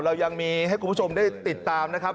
เรายังมีให้คุณผู้ชมได้ติดตามนะครับ